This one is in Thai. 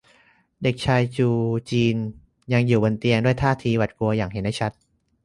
เด็กชายยูจีนยังอยู่บนเตียงด้วยท่าทีหวาดกลัวอย่างเห็นได้ชัด